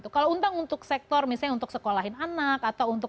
kalau utang untuk sektor misalnya untuk sekolahin anak